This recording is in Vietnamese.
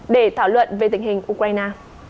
để thảo luận về tình hình ukraine